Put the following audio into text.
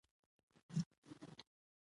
اوږده غرونه د افغانستان د جغرافیې بېلګه ده.